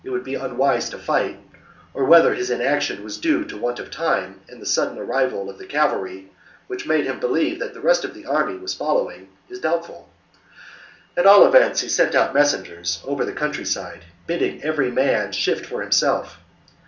would be unwise to fight, or whether his inaction was due to want of time and the sudden arrival of the cavalry, which made him believe that the rest of the army was following; is doubtful. At all events he sent out messengers over the country side, bidding every man shift for himself.